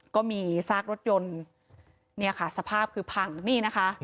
ก็มีซากรถยนต์เนี่ยค่ะสภาพคือพังนี่นะคะ